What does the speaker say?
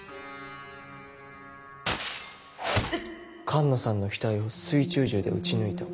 寒野さんの額を水中銃で撃ち抜いた。